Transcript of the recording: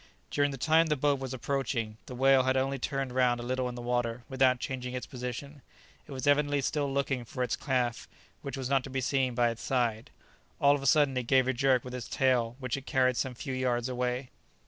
During the time the boat was approaching, the whale had only turned round a little in the water without changing its position. It was evidently still looking for its calf, which was not to be seen by its side. All of a sudden it gave a jerk with its tail which carried it some few yards away.